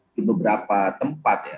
di beberapa tempat ya